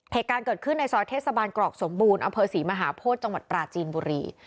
เหตุการณ์เกิดขึ้นในซอยเทศบาลกรอกสมบูรณ์อำเภอศรีมหาโพธิจังหวัดปราจีนบุรี